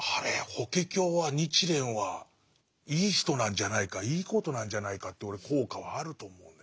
「法華経」は日蓮はいい人なんじゃないかいいことなんじゃないかって俺効果はあると思うんだよね。